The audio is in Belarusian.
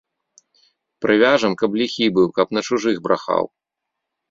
Прывяжам, каб ліхі быў, каб на чужых брахаў.